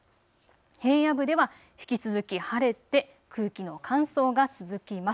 平野部では引き続き晴れて空気の乾燥が続きます。